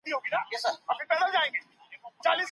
د راتلونکي لپاره ډېر دقیق اټکلونه سوي وو.